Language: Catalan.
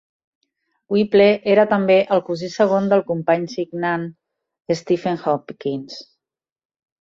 Whipple era també el cosí segon del company signant, Stephen Hopkins.